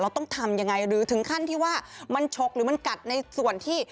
ต้องทำยังไงหรือถึงขั้นที่ว่ามันฉกหรือมันกัดในส่วนที่